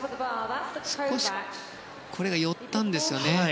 これが少し寄ったんですよね。